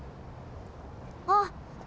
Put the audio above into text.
あっ！